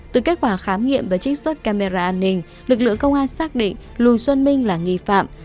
từ kết quả khám nghiệm và trích xuất camera an ninh lực lượng công an xác định lùng xuân minh là nghi phạm